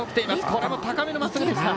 これも高めのまっすぐでした。